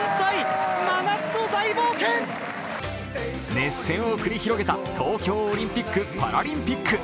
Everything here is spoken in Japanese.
熱戦を繰り広げた東京オリンピック・パラリンピック